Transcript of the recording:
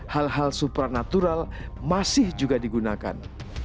hal hal supranatural masih juga digunakan